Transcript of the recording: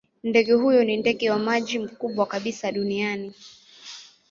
Ndege huyo ni ndege wa maji mkubwa kabisa duniani.